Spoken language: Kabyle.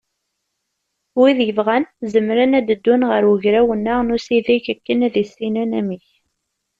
Wid yebɣan, zemren ad d-ddun ɣer ugraw-nneɣ n usideg akken ad issinen amek.